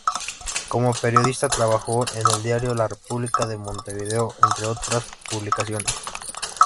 Como periodista trabajó en el diario "La República" de Montevideo, entre otras publicaciones.